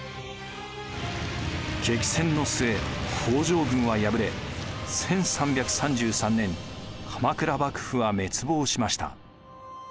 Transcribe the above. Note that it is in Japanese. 激戦の末北条軍は敗れ１３３３年鎌倉幕府は滅亡しました。